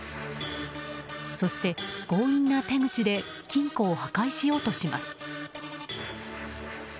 そして、強引な手口で金庫を破壊しようとします。